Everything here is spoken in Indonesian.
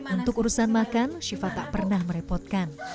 untuk urusan makan syifa tak pernah merepotkan